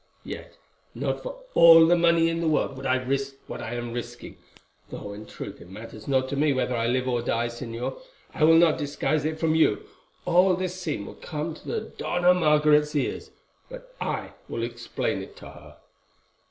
Yet, not for all the money in the world would I risk what I am risking, though in truth it matters not to me whether I live or die. Señor, I will not disguise it from you, all this scene will come to the Dona Margaret's ears, but I will explain it to her."